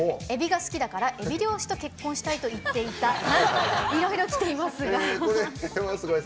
「エビが好きだからエビ漁師と結婚したい」と言っていたといろいろきていますが。